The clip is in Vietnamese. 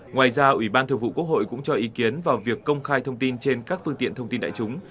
ngoài ra ủy ban thường vụ quốc hội cũng cho ý kiến vào việc công khai thông tin trên các phương tiện thông tin đại chúng